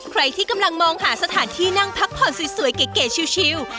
ใครที่กำลังมองหาสถานที่นั่งพักผ่อนสวยเก๋ชิว